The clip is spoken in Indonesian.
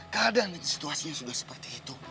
keadaannya dan situasinya sudah seperti itu